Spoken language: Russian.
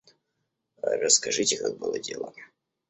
Расскажите, как было дело.